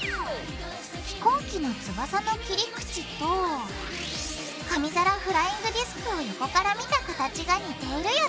飛行機の翼の切り口と紙皿フライングディスクを横から見た形が似ているよね